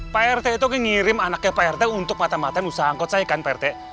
prt itu ngirim anaknya prt untuk mata mataan usaha angkot saya kan prt